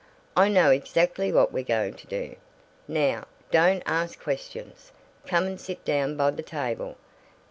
"I know exactly what we're going to do. Now don't ask questions! Come and sit down by the table.